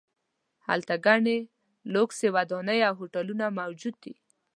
هلته ګڼې لوکسې ودانۍ او هوټلونه موجود دي.